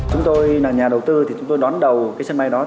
chúng tôi là nhà đầu tư thì chúng tôi đón đầu cái sân bay đó